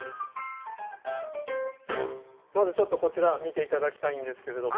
まずちょっとこちら見て頂きたいんですけれども。